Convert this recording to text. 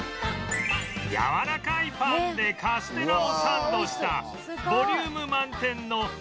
やわらかいパンでカステラをサンドしたボリューム満点のカステラサンドなど